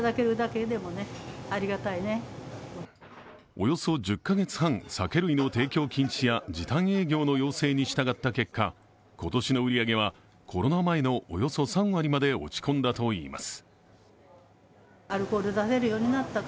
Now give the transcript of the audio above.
およそ１０カ月半、酒類の提供禁止や時短営業の要請に従った結果今年の売り上げはコロナ前のおよそ３割まで落ち込んだといいます。